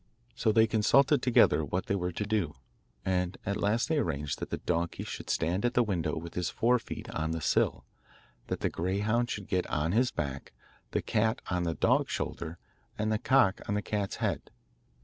So they consulted together what they were to do, and at last they arranged that the donkey should stand at the window with his fore feet on the sill, that the greyhound should get on his back, the cat on the dog's shoulder, and the cock on the cat's head.